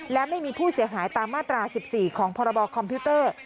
และไม่มีผู้เสียหายตามมาตรา๑๔ของพรบคอมพิวเตอร์